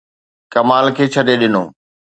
ڪمال کي ڇڏي ڏنو.